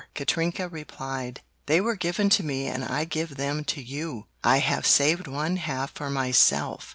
Katrinka replied. "They were given to me and I give them to you! I have saved one half for myself!